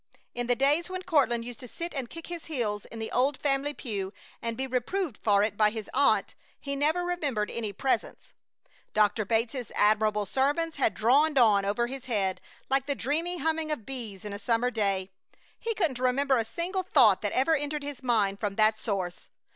In the days when Courtland used to sit and kick his heels in the old family pew and be reproved for it by his aunt, he never remembered any Presence. Doctor Bates's admirable sermons had droned on over his head like the dreamy humming of bees in a summer day. He couldn't remember a single thought that ever entered his mind from that source.